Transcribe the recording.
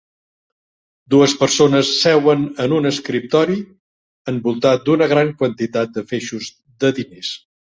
Dues persones seuen en un escriptori envoltat d'una gran quantitat de feixos de diners.